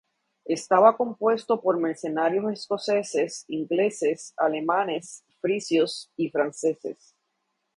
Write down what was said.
Estaba compuesto por mercenarios escoceses, ingleses, alemanes, frisios y franceses.